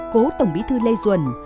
cố tổng bí thư lê duyên